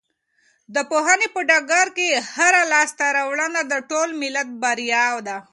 د پوهنې په ډګر کې هره لاسته راوړنه د ټول ملت بریا ده.